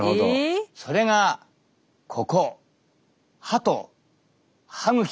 それがここ。